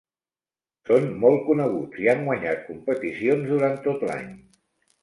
Són molt coneguts i han guanyat competicions durant tot l'any.